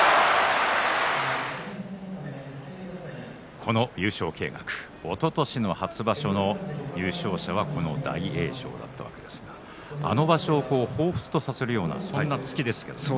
この優勝掲額おととしの初場所の優勝者はこの大栄翔だったわけですがあの場所をほうふつとさせるような突きでしたね。